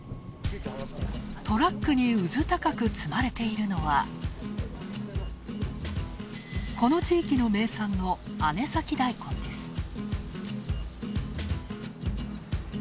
トラックにうずたかく積まれているのは、この地域の名産の姉崎大根です。